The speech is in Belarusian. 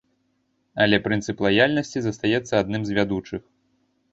Але прынцып лаяльнасці застаецца адным з вядучых.